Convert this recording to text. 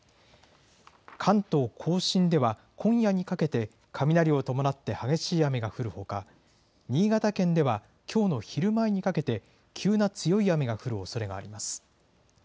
関東甲信では、今夜にかけて、雷を伴って激しい雨が降るほか、新潟県ではきょうの昼前にかけて、急な強い雨が降るおそれがあります。